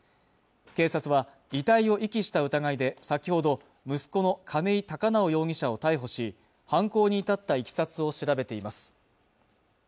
警察は遺体を遺棄した疑いで先ほど息子の亀井孝直容疑者を逮捕し犯行に至ったいきさつを調べています